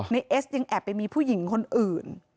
เอสยังแอบไปมีผู้หญิงคนอื่น